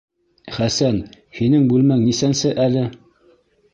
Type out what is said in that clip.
Хәсән, һинең бүлмәң нисәнсе әле?